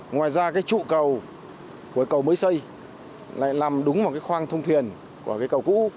ngoài ra trụ cầu của cầu mới xây lại làm đúng vào khoang thông thuyền của cầu cũ